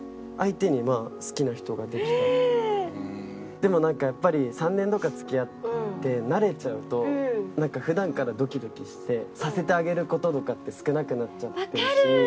でもなんかやっぱり３年とか付き合って慣れちゃうとなんか普段からドキドキさせてあげる事とかって少なくなっちゃってるし。